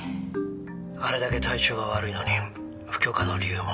あれだけ体調が悪いのに不許可の理由も明かさない。